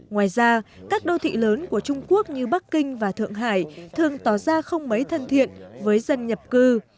ngoài ra các đô thị lớn của trung quốc như bắc kinh và thượng hải thường tỏ ra không mấy thân thiện với dân nhập cư